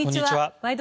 「ワイド！